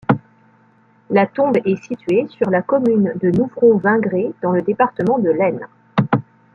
La tombe est située sur la commune de Nouvron-Vingré, dans le département de l'Aisne.